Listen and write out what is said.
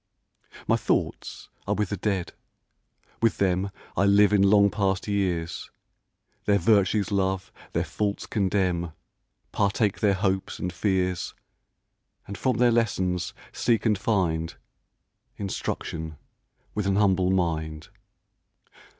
My thoughts are with the Dead, with them I live in long past years, Their virtues love, their faults condemn, Partake their hopes and fears, And from their lessons seek and find Instruction with ^n humble mind.